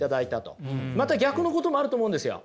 また逆のこともあると思うんですよ。